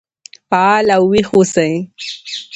فعال او ويښ اوسئ.